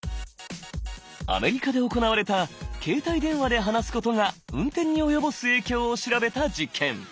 アメリカで行われた携帯電話で話すことが運転に及ぼす影響を調べた実験。